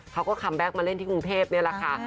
เขาก็คัมแบ็คมาเล่นที่กรุงเทพนี่แหละค่ะ